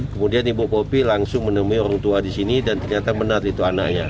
kemudian ibu kopi langsung menemui orang tua di sini dan ternyata benar itu anaknya